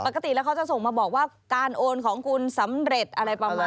ปกติแล้วเขาจะส่งมาบอกว่าการโอนของคุณสำเร็จอะไรประมาณ